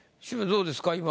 渋谷どうですか？